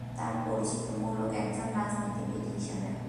তার পরিচিতি মূলত একজন রাজনীতিবিদ হিসেবে।